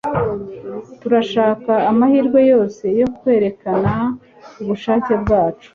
Turashaka amahirwe yose yo kwerekana ubushake bwacu